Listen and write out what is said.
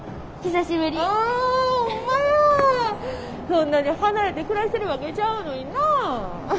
そんなに離れて暮らしてるわけちゃうのにな。